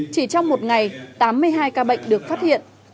chỉ trong một ngày tám mươi hai ca bệnh được phát hiện